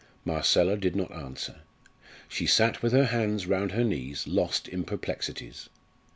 Marcella did not answer. She sat with her hands round her knees lost in perplexities.